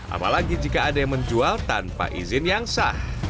apalagi jika ada yang menjual tanpa izin yang sah